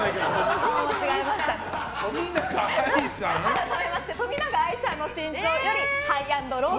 改めまして冨永愛さんの身長よりＨＩＧＨ＆ＬＯＷか。